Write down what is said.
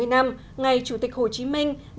bảy mươi năm ngày chủ tịch hồ chí minh